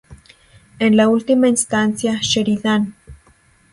En última instancia, Sheridan.